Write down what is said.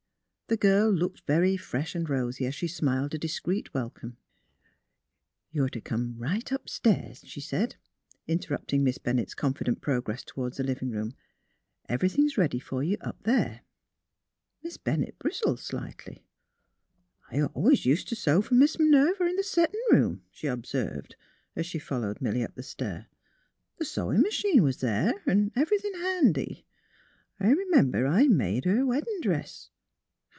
The girl looked very fresh and rosy as she smiled a discreet welcome. " You are to come right upstairs," she said, interrupting Miss Bennett's conlQdent progress toward the living room. " Everything's ready for you up there. '' Miss Bennett bristled slightly. *' I always ust t' sew fer Miss Minerva in th* settin' room," she observed, as she followed Milly up the stair. '' The' sewin' m 'chine was there, 'n' every thin' handy. I r 'member I made her weddin' dress.